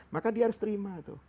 maka dia harus terima